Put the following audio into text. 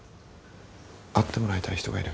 会ってもらいたい人がいる。